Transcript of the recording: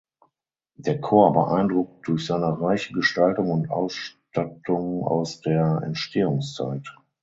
Der Chor beeindruckt durch seine reiche Gestaltung und Ausstattung aus der Entstehungszeit.